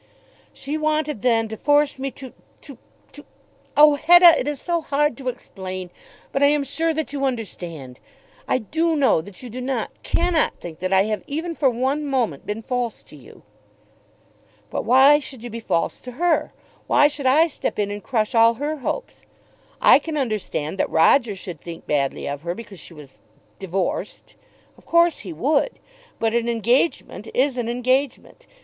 "She wanted then to force me to to to . Oh, Hetta, it is so hard to explain, but I am sure that you understand. I do know that you do not, cannot think that I have, even for one moment, been false to you." "But why should you be false to her? Why should I step in and crush all her hopes? I can understand that Roger should think badly of her because she was divorced. Of course he would. But an engagement is an engagement.